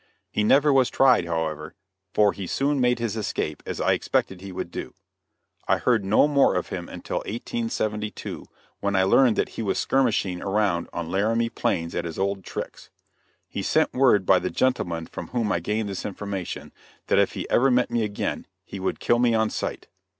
He never was tried, however, for he soon made his escape, as I expected he would do. I heard no more of him until 1872, when I learned that he was skirmishing around on Laramie Plains at his old tricks. He sent word by the gentleman from whom I gained this information, that if he ever met me again he would kill me on sight.